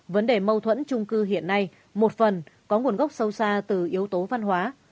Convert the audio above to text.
vấn đề mâu thuẫn trung cư hiện nay một phần có nguồn gốc sâu xa từ yếu tố văn hóa